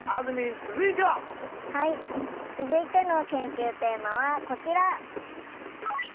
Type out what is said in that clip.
続いての研究テーマはこちら！